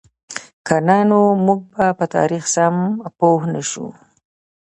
که نه نو موږ به په تاریخ سم پوهـ نهشو.